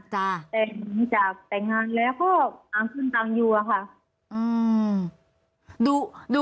แต่จากแต่งงานแล้วก็ตั้งคุณตั้งอยู่อะค่ะ